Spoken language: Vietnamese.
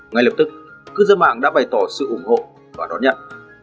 ngay lập tức cư dân mạng đã bày tỏ sự ủng hộ và đón nhận